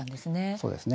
そうですね。